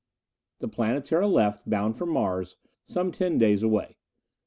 The Planetara left, bound for Mars, some ten days away.